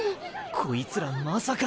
こいつらまさか。